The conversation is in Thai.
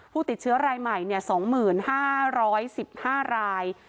ผู้ติดเชื้อรายใหม่๒๕๑๕ราย